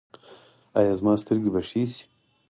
ایا زما سترګې به ښې شي؟